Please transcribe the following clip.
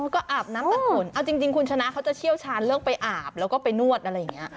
ก็อาบน้ำตัดขนเอาจริงคุณชนะเขาจะเชี่ยวชาญเรื่องไปอาบแล้วก็ไปนวดอะไรอย่างนี้